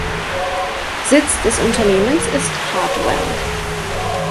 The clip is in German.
Sitz des Unternehmens ist Hartwell.